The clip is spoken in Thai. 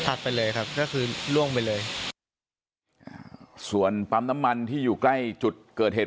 ไปเลยครับก็คือล่วงไปเลยอ่าส่วนปั๊มน้ำมันที่อยู่ใกล้จุดเกิดเหตุ